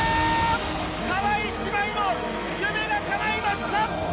川井姉妹の夢がかないました！